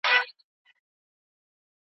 زه له ملګرو سره ګرځم